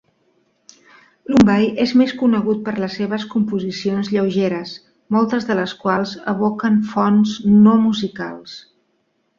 Lumbye és més conegut per les seves composicions lleugeres, moltes de les quals evoquen fonts no musicals.